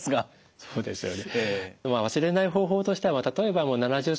そうですよね。